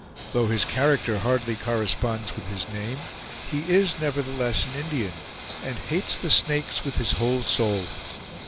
Though his character hardly corresponds with his name, he is nevertheless an Indian, and hates the Snakes with his whole soul.